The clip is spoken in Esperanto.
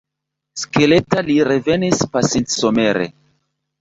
Skeleta li revenis pasintsomere.